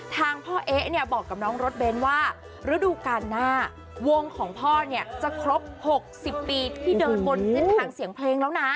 ทางพ่อเอ๊ะเนี่ยบอกกับน้องรถเบ้นว่าฤดูการหน้าวงของพ่อเนี่ยจะครบ๖๐ปีที่เดินบนเส้นทางเสียงเพลงแล้วนะ